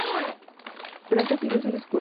Pancras y Russell Square.